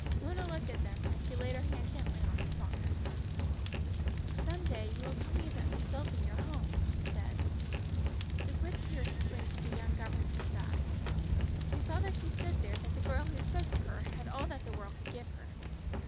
Mona looked at them, then she laid her hand gently on Miss Falkner's arm. "Some day you will tell me about yourself and your home," she said. The quick tears sprang to the young governess's eyes. She felt as she stood there that the girl who spoke to her had all that the world could give her.